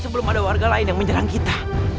sebelum warga lain menyerang kita